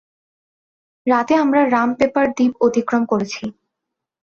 রাতে আমরা রাম পেপার দ্বীপ অতিক্রম করেছি।